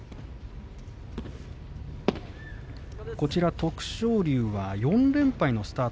徳勝龍は４連敗のスタート。